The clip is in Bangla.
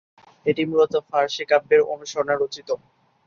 এটি মূলত ফারসি কাব্যের অনুসরণে রচিত।